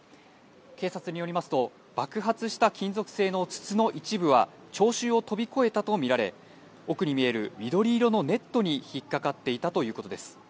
警察によりますと、爆発した金属製の筒の一部は、聴衆を飛び越えたと見られ、奥に見える緑色のネットに引っ掛かっていたということです。